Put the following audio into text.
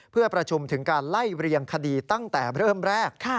เพื่อประชุมถึงการไล่เรียงคดีตั้งแต่เริ่มแรก